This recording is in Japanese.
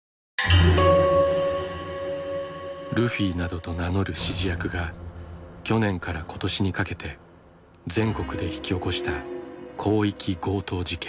ルフィなどと名乗る指示役が去年から今年にかけて全国で引き起こした広域強盗事件。